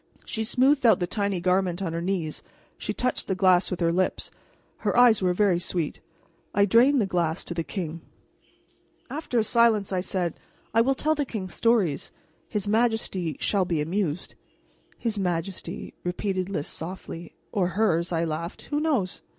She smoothed out the tiny garment on her knees; she touched the glass with her lips; her eyes were very sweet. I drained the glass to the king. After a silence I said: "I will tell the king stories. His majesty shall be amused." "His majesty," repeated Lys softly. "Or hers," I laughed. "Who knows?"